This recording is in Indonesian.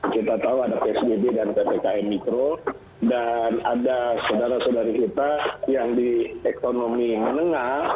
kita tahu ada psbb dan ppkm mikro dan ada saudara saudari kita yang di ekonomi menengah